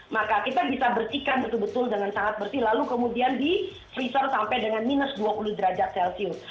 maka kita bisa bersihkan betul betul dengan sangat bersih lalu kemudian di freezer sampai dengan minus dua puluh derajat celcius